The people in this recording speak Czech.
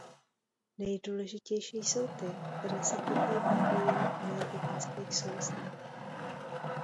Nejdůležitější jsou ty, které se týkají propojení energetických soustav.